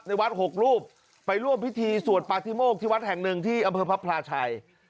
วัดหกรูปไปร่วมพิธีสวดปาธิโมกที่วัดแห่งหนึ่งที่อำเภอพระพลาชัย